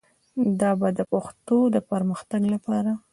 دا به د پښتو د پرمختګ لپاره